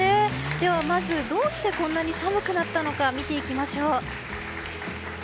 ではまず、どうしてこんなに寒くなったのか見ていきましょう。